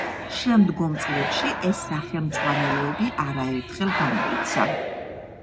შემდგომ წლებში ეს სახელმძღვანელოები არაერთხელ გამოიცა.